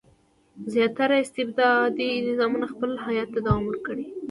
زیاتره استبدادي نظامونه خپل حیات ته دوام ورکړي.